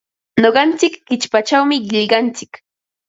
Nuqantsik qichpachawmi qillqantsik.